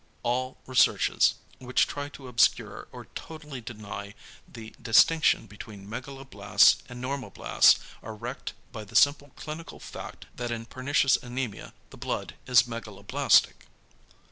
=All researches, which try to obscure or totally deny the distinction between megaloblasts and normoblasts are wrecked by the simple clinical fact that in pernicious anæmia the blood is megaloblastic.